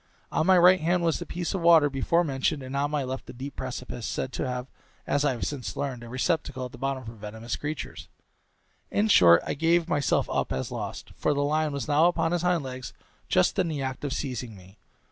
On my right hand was the piece of water before mentioned, and on my left a deep precipice, said to have, as I have since learned, a receptacle at the bottom for venomous creatures; in short, I gave myself up as lost, for the lion was now upon his hind legs, just in the act of seizing me.